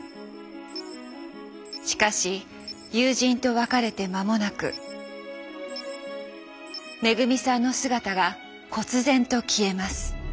しかし友人と別れて間もなくめぐみさんの姿がこつ然と消えます。